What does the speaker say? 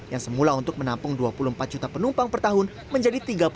yang semula untuk menampung dua puluh empat juta penumpang per tahun menjadi tiga puluh enam